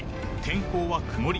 天候は曇り。